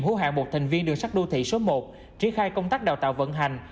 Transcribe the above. hữu hạng một thành viên đường sắt đô thị số một triển khai công tác đào tạo vận hành